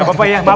gak apa apa ya